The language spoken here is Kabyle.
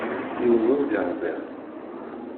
Yiwen ur d-yehdiṛ.